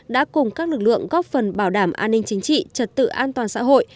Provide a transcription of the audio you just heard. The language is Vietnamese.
đã cùng các lực lượng góp phần bảo đảm an ninh chính trị trật tự an toàn xã hội